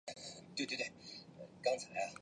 该物种的模式产地在长崎。